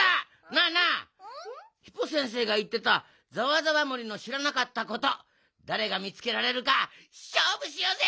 なあなあヒポ先生がいってたざわざわ森のしらなかったことだれがみつけられるかしょうぶしようぜ！